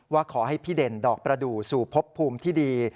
ว่าขอให้พี่เด่นดอกประดูกสู่พบภูมิที่ดี